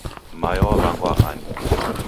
Mayo waw'angwa ani?